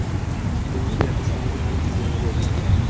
তুমি কি এত সহজে তাকে খুঁজে পাবে?